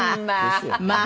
「まあ」。